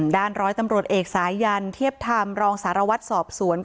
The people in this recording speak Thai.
ร้อยตำรวจเอกสายันเทียบธรรมรองสารวัตรสอบสวน